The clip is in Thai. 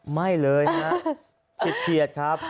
ไม่เลยฮะผิดเขียดครับ